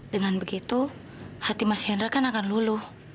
dengan begitu hati mas hendra kan akan luluh